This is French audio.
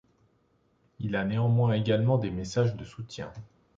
Il y a néanmoins également des messages de soutien.